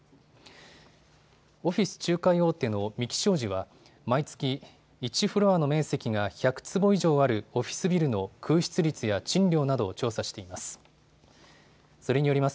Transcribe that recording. オフィス仲介大手の三鬼商事は、毎月、１フロアの面積が１００坪以上あるオフィスビルの空室率や賃料などを調査しています。